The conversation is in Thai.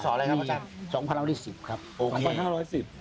พระอาจารย์อะไรครับพระอาจารย์